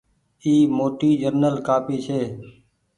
اي موٽي جنرل ڪآپي ڇي۔